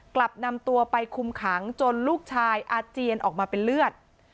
กลับนำตัวไปคุมขังจนลูกชายอาเจียนออกมาเป็นเลือด